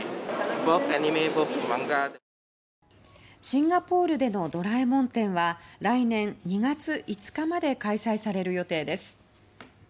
シンガポールでの「ドラえもん展」は来年２月５日まで開催される予定です。